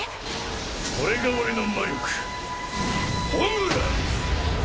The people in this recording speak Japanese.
これが俺の魔力焔！